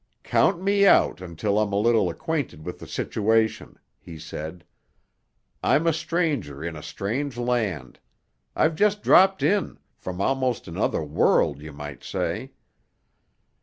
"Count me out until I'm a little acquainted with the situation," he said. "I'm a stranger in a strange land. I've just dropped in—from almost another world you might say."